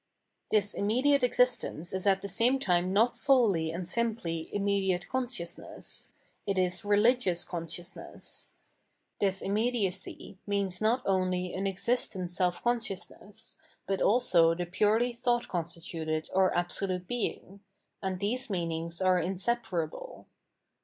This immediate existence is at the same time not solely and simply immediate consciousness ; it is ve Ugious consciousness. This immediacy means not only an existent seh consciousness, but also the purely thought constituted or Absolute Being ; and these meanings are inseparable.